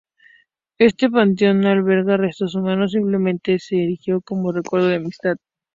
Este panteón no alberga restos humanos, simplemente se erigió como recuerdo de amistad.